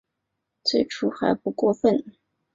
最初还不过分